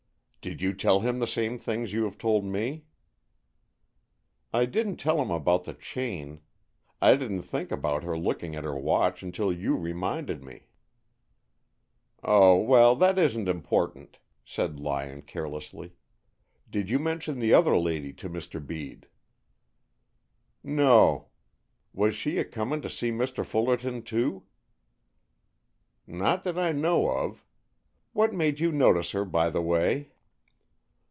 "Did you tell him the same things you have told me?" "I didn't tell him about the chain. I didn't think about her looking at her watch until you reminded me." "Oh, well, that isn't important," said Lyon, carelessly. "Did you mention the other lady to Mr. Bede?" "No. Was she a comin' to see Mr. Fullerton, too?" "Not that I know of. What made you notice her, by the way?"